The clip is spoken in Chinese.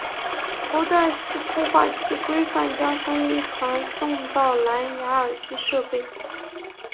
头戴式通话器规范将声音传送到蓝芽耳机设备。